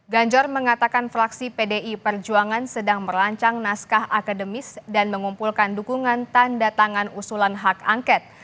ganjar mengatakan fraksi pdi perjuangan sedang merancang naskah akademis dan mengumpulkan dukungan tanda tangan usulan hak angket